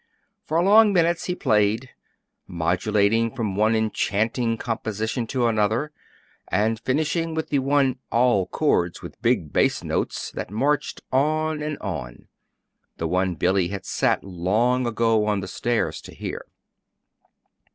For long minutes he played, modulating from one enchanting composition to another, and finishing with the one "all chords with big bass notes" that marched on and on the one Billy had sat long ago on the stairs to hear.